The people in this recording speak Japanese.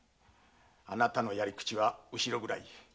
あなたのやり口は後ろ暗い。